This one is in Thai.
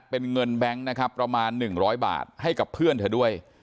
เป็นเงินแบงค์นะครับประมาณ๑๐๐บาทให้กับเพื่อนเธอด้วย